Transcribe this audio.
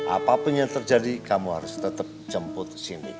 apapun yang terjadi kamu harus tetap jemput sini